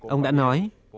ông đã nói